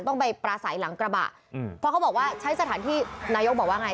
ต้องไปปราศัยหลังกระบะอืมเพราะเขาบอกว่าใช้สถานที่นายกบอกว่าไง